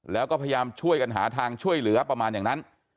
แล้วก็พยายามช่วยกันหาทางช่วยเหลือประมาณอย่างนั้น